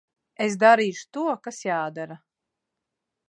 Es darīšu to, kas jādara.